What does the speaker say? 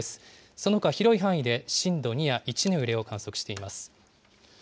そのほか広い範囲で震度２や１の揺れを観測しています。